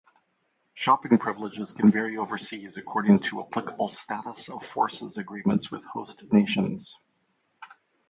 Shopping privileges can vary overseas according to applicable status-of-forces agreements with host nations.